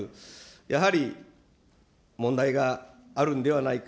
やはり問題があるんではないか。